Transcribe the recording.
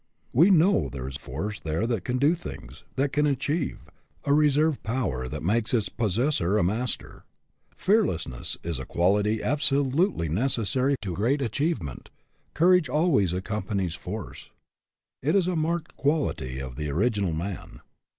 We know there is force there that can do things that can achieve a reserve power that makes its possessor a master. Fearlessness is a quality absolutely necessary to great achievement, courage always accompanies force. It is a marked quality of the original man.